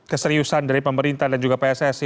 keseriusan dari pemerintah dan juga pssi